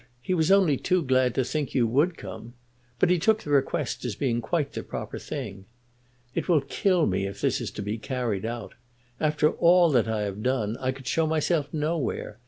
He was only too glad to think you would come. But he took the request as being quite the proper thing. It will kill me if this is to be carried out. After all that I have done, I could show myself nowhere.